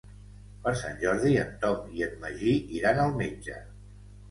Per Sant Jordi en Tom i en Magí iran al metge.